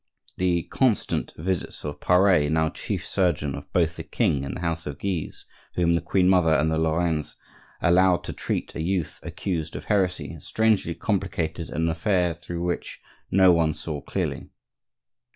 The constant visits of Pare, now chief surgeon of both the king and the house of Guise, whom the queen mother and the Lorrains allowed to treat a youth accused of heresy, strangely complicated an affair through which no one saw clearly.